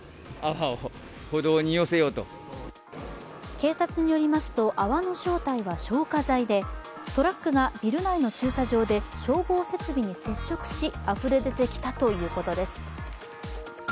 警察によりますと、泡の正体は消火剤でトラックがビル内の駐車場で消防設備に接触しあふれ出てきたということです。